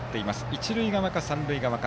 一塁側か三塁側か。